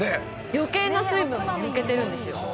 余計な水分が抜けてるんですよ。